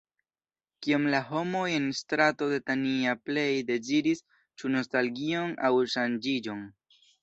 Kion la homoj en Strato de Tanja plej deziris, ĉu nostalgion aŭ ŝanĝiĝon?